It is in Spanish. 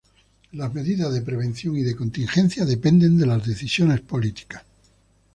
Las medidas de prevención y de contingencia dependen de las decisiones políticas.